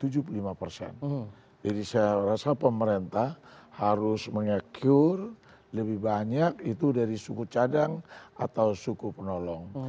jadi saya rasa pemerintah harus mengekure lebih banyak itu dari suku cadang atau suku penolong